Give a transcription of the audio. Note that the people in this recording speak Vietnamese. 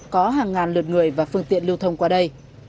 có hàng ngàn lượt người và phương tiện lưu thông qua đây